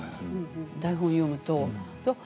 台本を読むと。